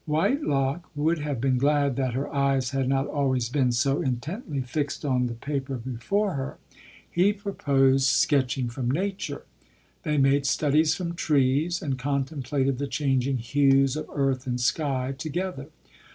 Whitelock would have been glad that her eyes had not always been so intently fixed on the paper before her. He proposed sketching from nature. The)' made studies from trees, and contemplated the chang ing hues of earth and sky together.